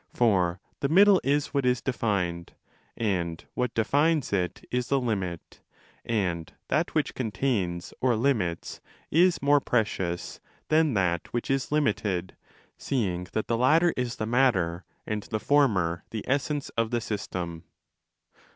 For the middle is what is defined, and what defines it is the limit, and that which contains or limits is more precious than that which 15is limited, seeing that the latter is the matter and the former the essence of the system.